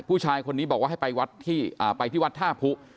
ผู้ชายคนนี้บอกว่าให้ไปที่วัดท่าผู้